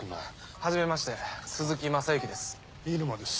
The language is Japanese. はじめまして鈴木昌之です。